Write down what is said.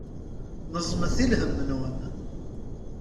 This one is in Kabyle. Neẓmet i lhem-nwen.